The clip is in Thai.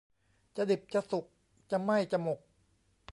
จะดิบจะสุก จะไหม้จะหมก